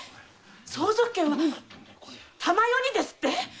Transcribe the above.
相続権は珠世にですって？